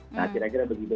nah kira kira begitu